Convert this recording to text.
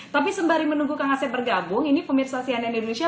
tapi sembari menunggu kang asep bergabung ini pemirsa cnn indonesia